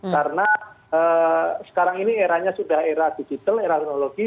karena sekarang ini eranya sudah era digital era teknologi